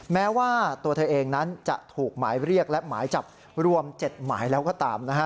แม้ว่าตัวเธอเองนั้นจะถูกหมายเรียกและหมายจับรวม๗หมายแล้วก็ตามนะฮะ